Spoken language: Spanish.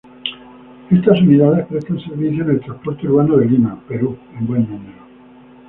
Estas unidades prestan servicio en el transporte urbano de Lima, Perú, en buen número.